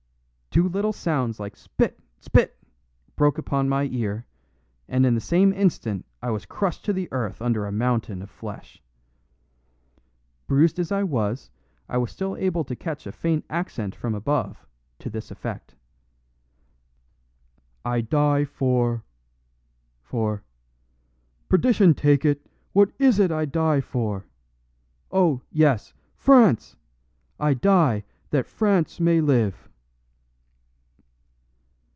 Two little sounds like SPIT! SPIT! broke upon my ear, and in the same instant I was crushed to the earth under a mountain of flesh. Bruised as I was, I was still able to catch a faint accent from above, to this effect: "I die for... for ... perdition take it, what IS it I die for? ... oh, yes FRANCE! I die that France may live!"